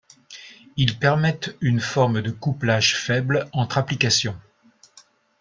Ils permettent une forme de couplage faible entre applications.